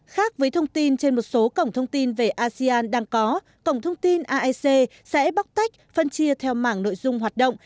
khác với thông tin trên một số cổng thông tin về asean đang có cổng thông tin aec sẽ bóc tách phân chia theo mảng nội dung hoạt động